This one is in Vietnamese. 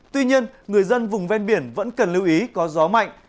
tuy nhiên người dân vùng ven biển vẫn cần lưu ý có gió mạnh